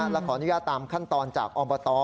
และขอนุญญาตามขั้นตอนจากอมประตอ